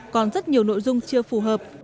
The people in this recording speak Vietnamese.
còn rất nhiều nội dung chưa phù hợp